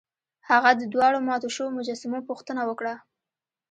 هغه د دواړو ماتو شویو مجسمو پوښتنه وکړه.